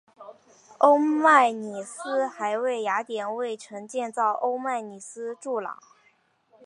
欧迈尼斯还为雅典卫城建造欧迈尼斯柱廊。